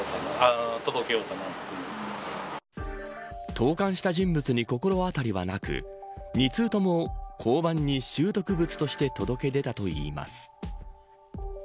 投函した人物に心当たりはなく２通とも交番に拾得物として届け出たといいます。